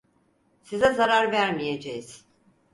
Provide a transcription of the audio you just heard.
Size zarar vermeyeceğiz.